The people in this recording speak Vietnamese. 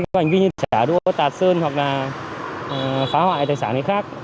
hành vi như trả đua tạt sơn hoặc là phá hoại tài sản hay khác